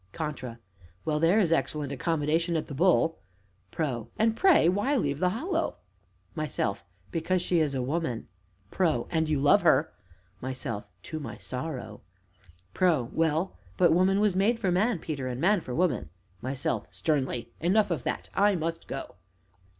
CONTRA. Well, there is excellent accommodation at "The Bull." PRO. And, pray, why leave the Hollow? MYSELF. Because she is a woman PRO. And you love her! MYSELF. To my sorrow. PRO. Well, but woman was made for man, Peter, and man for woman ! MYSELF (sternly). Enough of that I must go!